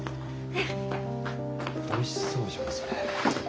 おいしそうじゃんそれ。